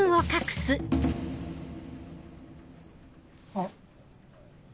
あっ。